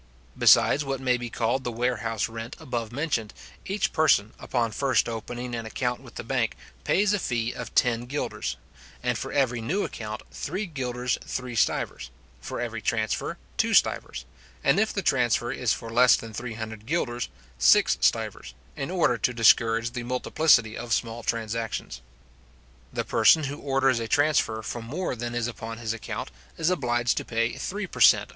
Besides what may be called the warehouse rent above mentioned, each person, upon first opening an account with the bank, pays a fee of ten guilders; and for every new account, three guilders three stivers; for every transfer, two stivers; and if the transfer is for less than 300 guilders, six stivers, in order to discourage the multiplicity of small transactions. The person who neglects to balance his account twice in the year, forfeits twenty five guilders. The person who orders a transfer for more than is upon his account, is obliged to pay three per cent.